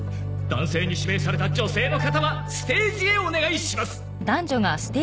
男性に指名された女性の方はステージへお願いします。